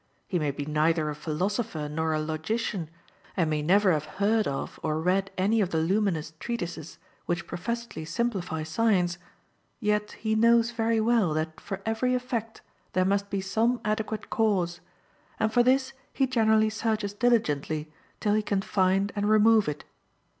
He may be neither a philosopher nor a logician, and may never have heard of or read any of the luminous treatises which professedly simplify science, yet he knows very well that for every effect there must be some adequate cause, and for this he generally searches diligently till he can find and remove it.